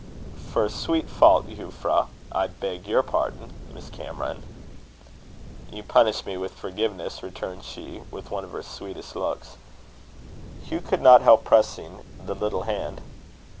"For a sweet fault, Euphra I beg your pardon Miss Cameron." "You punish me with forgiveness," returned she, with one of her sweetest looks. Hugh could not help pressing the little hand.